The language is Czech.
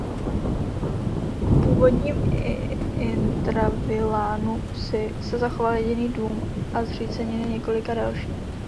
V původním intravilánu vsi se zachoval jediný dům a zříceniny několika dalších.